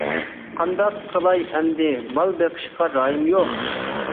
قانداق قىلاي، ئەمدى مال بېقىشقا رايىم يوق.